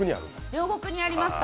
両国にありました。